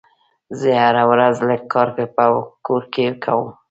زه هره ورځ لږ کار په کور کې کوم.